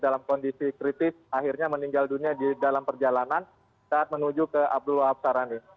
dalam kondisi kritis akhirnya meninggal dunia di dalam perjalanan saat menuju ke abdullah absarani